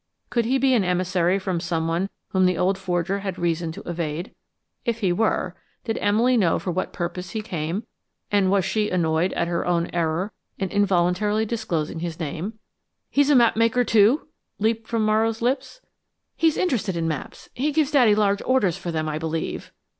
Could he be an emissary from some one whom the old forger had reason to evade? If he were, did Emily know for what purpose he came, and was she annoyed at her own error in involuntarily disclosing his name? "He is a map maker, too?" leaped from Morrow's lips. "He is interested in maps he gives Daddy large orders for them, I believe."